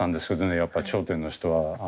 やっぱ頂点の人は。